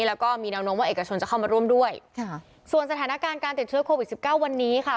แล้วก็มีแนวโน้มว่าเอกชนจะเข้ามาร่วมด้วยค่ะส่วนสถานการณ์การติดเชื้อโควิดสิบเก้าวันนี้ค่ะ